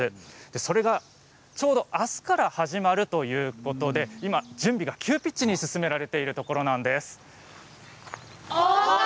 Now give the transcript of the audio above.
それがちょうど、あすから始まるということで今、準備が急ピッチに進められているところなんです。